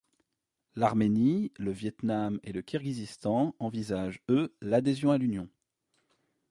L'Arménie, le Vietnam et le Kirghizistan envisagent eux l'adhésion à l'Union.